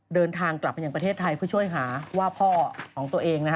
เดินทางกลับมายังประเทศไทยเพื่อช่วยหาว่าพ่อของตัวเอง